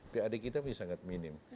pad kita masih sangat minim